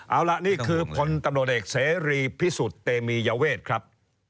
เอาล่ะนี่คือพลตำรวจเอกเสรีพิสุทธิ์เตมียเวทครับ